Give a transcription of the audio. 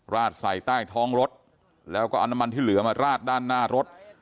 ราดใส่ใต้ท้องรถแล้วก็เอาน้ำมันที่เหลือมาราดด้านหน้ารถ